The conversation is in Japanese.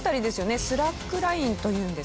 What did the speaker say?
ああスラックラインね。